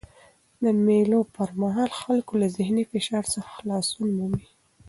د مېلو پر مهال خلک له ذهني فشار څخه خلاصون مومي.